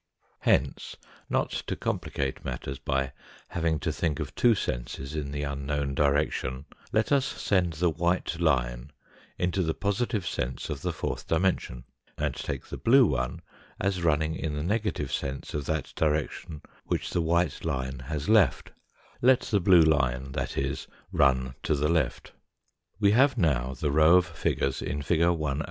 Hence, not to complicate matters by having to think of two senses in the unknown direction, let us send the white line into the positive sense of the fourth dimen sion, and take the blue one as running in the negative sense of that direction which the white line has left; let the blue line, that is, run to the left. We have now the row of figures in fig. 108.